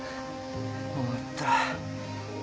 終わった。